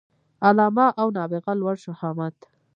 علامه او نابغه لوړ شهامت